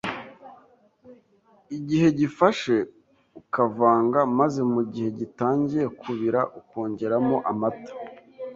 igihe gifashe, ukavanga, maze mu gihe gitangiye kubira, ukongeramo amata.